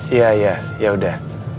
iya ya yaudah